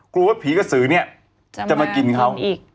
กลัวว่าผีกระสือเนี่ยจะมากินเขาอีก